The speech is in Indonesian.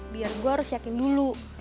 biar gue harus yakin dulu